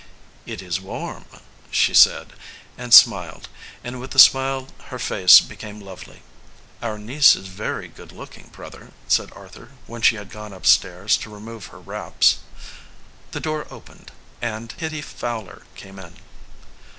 "It is warm," she said, and smiled, and with the smile her face became lovely. "Our niece is very good looking, brother," said Arthur, when she had gone upstairs to remove her wraps. The door opened, and Hitty Fowler came in.